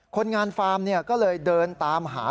คนงานฟาร์มก็เลยเดินตามหา